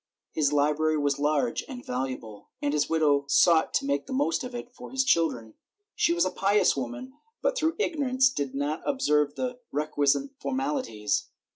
His library was large and valuable, and his widow sought to make the most of it for his children. She was a pious woman but through ignorance did not observe the requisite formalities.